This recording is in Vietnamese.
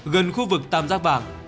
gần khu vực tam giác vàng